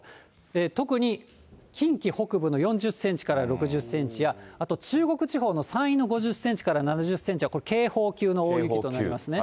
特に近畿北部の４０センチから６０センチや、あと中国地方の山陰の５０センチから７０センチはこれ、警報級の大雪となりますね。